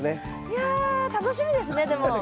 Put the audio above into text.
いや楽しみですねでも。